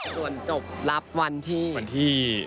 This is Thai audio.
ส่วนจบรับวันที่